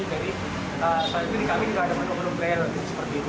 jadi kami juga ada menu menu braille seperti itu